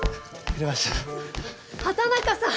畠中さん！